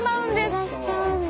漏れ出しちゃうんだ。